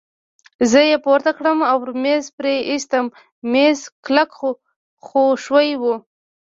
زه يې پورته کړم او پر مېز پرې ایستم، مېز کلک خو ښوی وو.